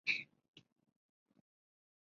内海文三大学毕业后任职一个小官员。